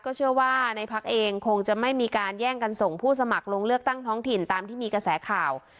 เชื่อว่าในพักเองคงจะไม่มีการแย่งกันส่งผู้สมัครลงเลือกตั้งท้องถิ่นตามที่มีกระแสข่าว